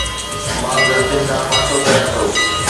مان غلطين کان پاسو ڪريان ٿو